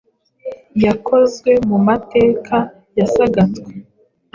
Yakozwe Mumateka ya Sagatwa,